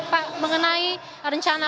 pak mengenai rencana